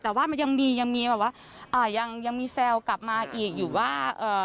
แต่ว่ายังมีแซวกลับมาอีกอยู่ว่า